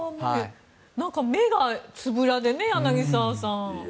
目がつぶらでね柳澤さん。